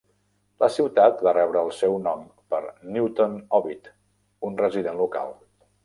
La ciutat va rebre el seu nom per Newton Ovid, un resident local.